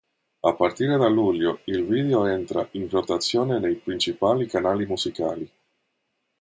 A partire da luglio il video entra in rotazione nei principali canali musicali.